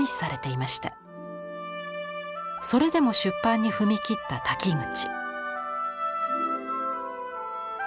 それでも出版に踏み切った瀧口。